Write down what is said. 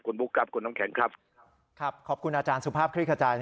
คุณบุ๊คครับคุณน้ำแข็งครับครับขอบคุณอาจารย์สุภาพคลิกขจาย